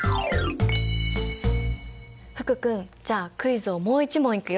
福君じゃあクイズをもう一問いくよ。